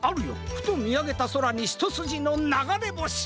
ふとみあげたそらにひとすじのながれぼし！